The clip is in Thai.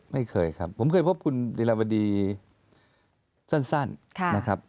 ไม่เคยครับผมเคยพบคุณดิรวดีสั้นนะครับ